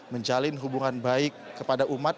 menjalin hubungan baik kepada umat